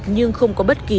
không phải bốn lớp đâu